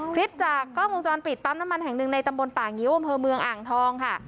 คลิปจากกล้องวงจรปิดปั๊มน้ำมันแห่งหนึ่งในตำบลป่างิ้วอำเภอเมืองอ่างทองค่ะ